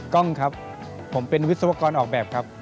กล้องครับผมเป็นวิศวกรออกแบบครับ